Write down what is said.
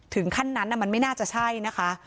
ถึงขั้นนั้นมันไม่น่าจะใช่นะคะ